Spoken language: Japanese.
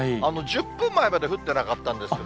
１０分前まで降ってなかったですね。